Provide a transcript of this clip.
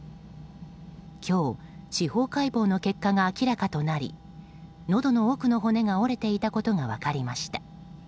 今日、司法解剖の結果が明らかとなりのどの奥の骨が折れていたことが分かりました。